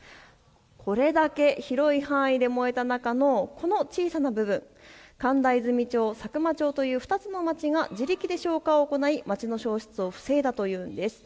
これだけ広い範囲で燃えた中のこの小さな部分、神田和泉町と佐久間町という２つの街が自力で消火を行い街の消失を防いだというのです。